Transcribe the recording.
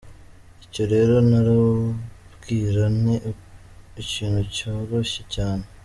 Icyo rero narubwira ni ikintu cyoroshye cyane.